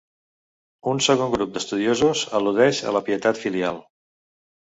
Un segon grup d'estudiosos al·ludeix a la pietat filial.